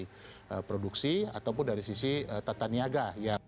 dari produksi ataupun dari sisi tata niaga